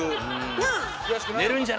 なあ？